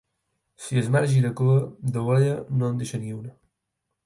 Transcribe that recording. Si el març gira cua, d'ovella, no en deixa ni una.